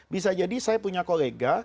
bisa jadi saya punya kolega